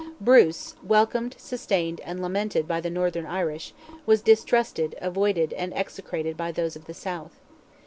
Bruce, welcomed, sustained, and lamented by the Northern Irish, was distrusted, avoided, and execrated by those of the South.